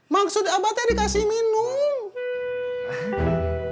maksud abadnya dikasih minum